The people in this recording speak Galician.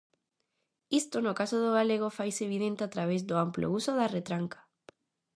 Isto no caso do galego faise evidente a través do amplo uso da retranca.